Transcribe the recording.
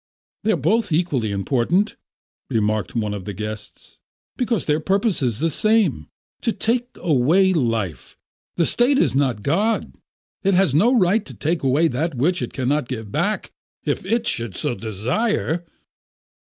"They're both equally immoral," remarked one of the guests, "because their purpose is the same, to take away life. The State is not God. It has no right to take away that which it cannot give back, if it should so desire."